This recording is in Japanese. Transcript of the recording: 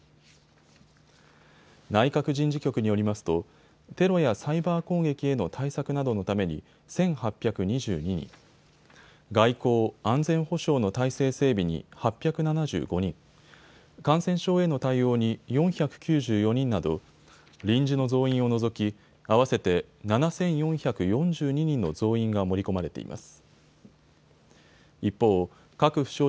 内閣人事局によりますとテロやサイバー攻撃への対策などのために１８２２人、外交・安全保障の体制整備に８７５人、感染症への対応に４９４人など臨時の増員を除き合わせて７４４２人の増員が盛り込まれています。